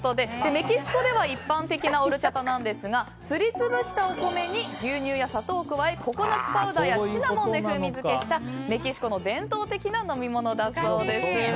メキシコでは一般的なオルチャタなんですがすり潰したお米に牛乳や砂糖を加えココナツパウダーやシナモンで味付けしたメキシコの伝統的な飲み物だそうです。